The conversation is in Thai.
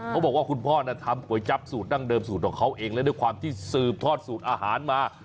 เขาบอกว่าคุณพ่อทำก๋วยจับสูตรดั้งเดิมสูตรของเขาเองและด้วยความที่สืบทอดสูตรอาหารมา